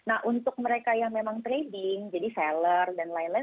nah untuk mereka yang memang trading jadi seller dan lain lain